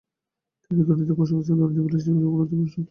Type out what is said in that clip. তিনি দুর্নীতি, কুসংস্কার ও ধনীদের বিলাসী জীবনযাপনের তীব্র সমালোচনা করেন।